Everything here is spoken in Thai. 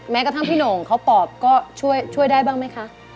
กระทั่งพี่โหน่งเขาปอบก็ช่วยได้บ้างไหมคะ